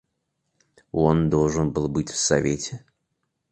Он должен был быть в совете?